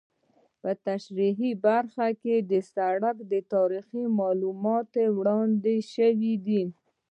په تشریحي برخه کې د سرک تاریخي معلومات وړاندې شوي دي